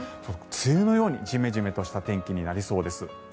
梅雨のようにジメジメとした天気になりそうです。